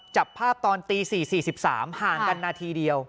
จับภาพตอนตี๔๔๓ห่างกันนาทีเดียว